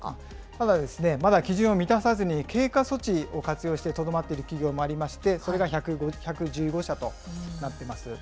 ただですね、まだ基準を満たさずに経過措置を活用してとどまっている企業もありまして、それが１１５社となっています。